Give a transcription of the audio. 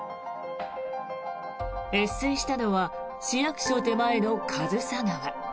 越水したのは市役所手前の数沢川。